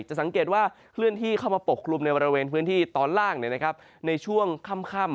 สังเกตว่าเคลื่อนที่เข้ามาปกกลุ่มในบริเวณพื้นที่ตอนล่างในช่วงค่ำ